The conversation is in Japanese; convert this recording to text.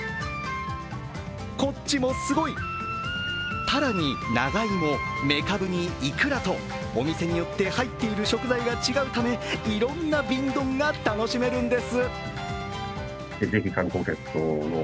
こっちもすごい、タラに長芋、メカブにイクラとお店によって入っている食材が違うためいろんな瓶ドンが楽しめるんです。